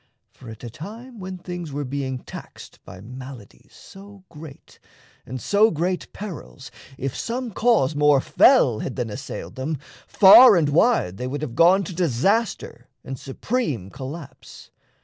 For at a time when things Were being taxed by maladies so great, And so great perils, if some cause more fell Had then assailed them, far and wide they would Have gone to disaster and supreme collapse.